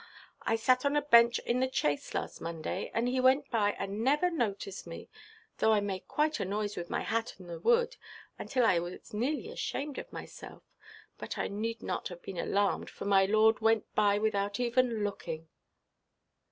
I sat on a bench in the chase last Monday, and he went by and never noticed me, though I made quite a noise with my hat on the wood until I was nearly ashamed of myself. But I need not have been alarmed, for my lord went by without even looking."